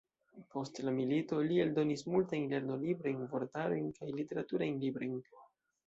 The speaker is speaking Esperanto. Post la milito li eldonis multajn lernolibrojn, vortarojn kaj literaturajn librojn.